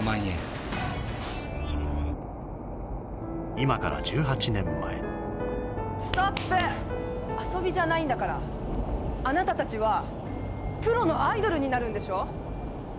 今から１８年前ストップ遊びじゃないんだからあなたたちはプロのアイドルになるんでしょ？